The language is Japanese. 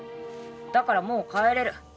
だからもう帰れる。